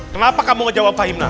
kenapa kamu ngejawab fahim lah